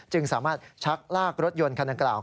จึงสามารถชักลากรถยนต์คันกล่าว